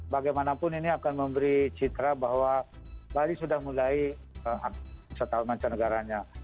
bagaimanapun ini akan memberi citra bahwa bali sudah mulai setahun macam negaranya